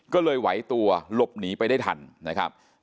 ก็เลยไหวตัวหลบหนีไปได้ทันนะครับ